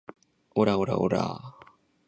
オラオラオラァ